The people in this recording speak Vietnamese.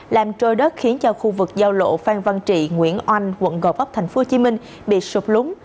làm trôi đất khiến cho khu vực giao lộ phan văn trị nguyễn oanh quận gò vấp tp hcm bị sụp lúng